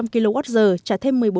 năm mươi một trăm linh kwh trả thêm